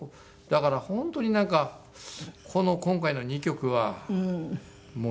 だから本当になんかこの今回の２曲はもう身近すぎて。